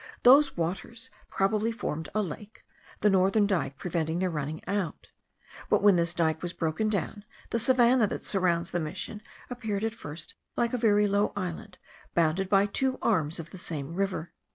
Those waters probably formed a lake, the northern dike preventing their running out: but, when this dike was broken down, the savannah that surrounds the mission appeared at first like a very low island, bounded by two arms of the same river.